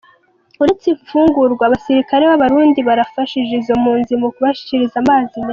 Uretse imfungurwa, abasirikare b'abarundi barafashije izo mpunzi mu kubashikiriza amazi meza.